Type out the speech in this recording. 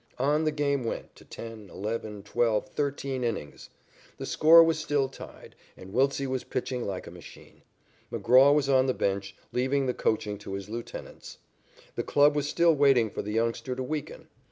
On the game went to ten, eleven, twelve, thirteen, innings. The score was still tied and Wiltse was pitching like a machine. McGraw was on the bench, leaving the coaching to his lieutenants. The club was still waiting for the youngster to weaken.